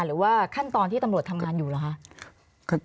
หรือว่าขั้นตอนที่ตำรวจทำงานอยู่เหรอคะ